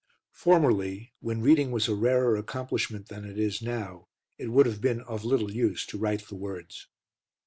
Formerly, when reading was a rarer accomplishment than it is now, it would have been of little use to write the words.